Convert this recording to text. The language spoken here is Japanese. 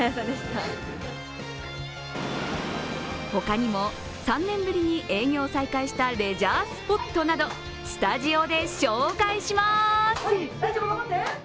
他にも３年ぶりに営業を再開したレジャースポットなど、スタジオで紹介します。